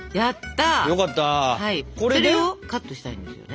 それをカットしたいんですよね。